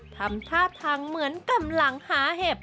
ทำท่าทางเหมือนกำลังหาเห็บ